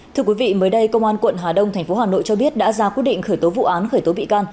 thưa quý vị mới đây công an quận hà đông tp hà nội cho biết đã ra quyết định khởi tố vụ án khởi tố bị can